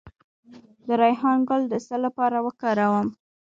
د ریحان ګل د څه لپاره وکاروم؟